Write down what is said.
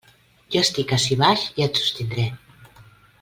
Jo estic ací baix i et sostindré.